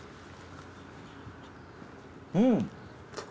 うん。